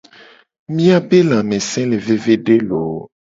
Miabe lamese le vevede looo!